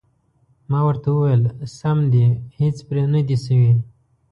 ما ورته وویل: سم دي، هېڅ پرې نه دي شوي.